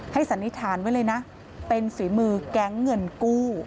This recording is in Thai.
สันนิษฐานไว้เลยนะเป็นฝีมือแก๊งเงินกู้